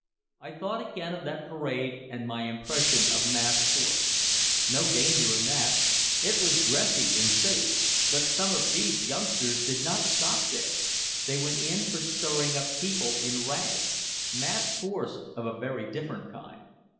I thought again of that parade and my impression of mass force. No danger in that, it was dressy and safe. But some of these youngsters did not stop there, they went in for stirring up people in rags, mass force of a very different kind.